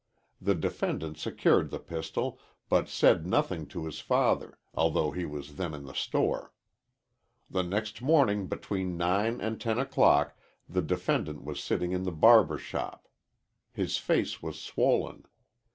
The defendant secured the pistol, but said nothing to his father, although he was then in the store. The next morning between nine and ten o'clock the defendant was sitting in the barber shop. His face was swollen.